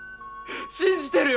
信じてるよ。